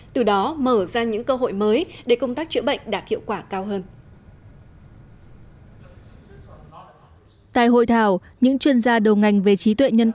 từ đó mở ra những cơ hội mới để công tác chữa bệnh đạt hiệu quả cao hơn